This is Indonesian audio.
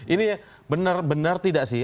ini benar benar tidak sih